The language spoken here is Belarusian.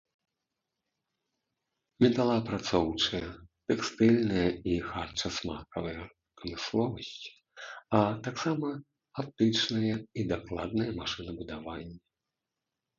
Металаапрацоўчая, тэкстыльная і харчасмакавая прамысловасць, а таксама аптычнае і дакладнае машынабудаванне.